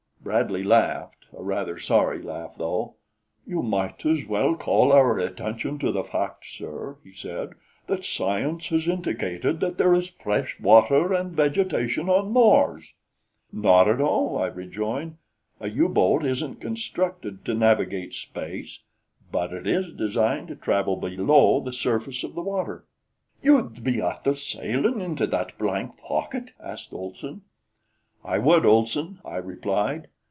Bradley laughed a rather sorry laugh, though. "You might as well call our attention to the fact, sir," he said, "that science has indicated that there is fresh water and vegetation on Mars." "Not at all," I rejoined. "A U boat isn't constructed to navigate space, but it is designed to travel below the surface of the water." "You'd be after sailin' into that blank pocket?" asked Olson. "I would, Olson," I replied.